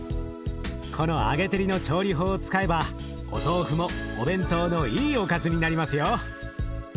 この揚げ照りの調理法を使えばお豆腐もお弁当のいいおかずになりますよ。